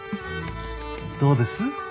どうです？